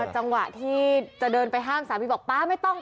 จังหวะที่จะเดินไปห้ามสามีบอกป๊าไม่ต้อง